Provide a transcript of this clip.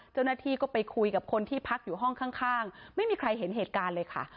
เจ้าหน้าที่ก็ไปคุยกับคนที่พักอยู่ห้องข้างไม่มีใครเห็นเหตุการณ์เลยค่ะ